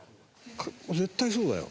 絶対そうだよ。